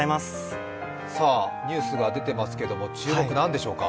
ニュースが出ていますけど、注目は何でしょうか？